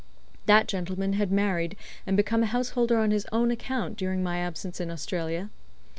That gentleman had married and become a householder on his own account during my absence in Australia.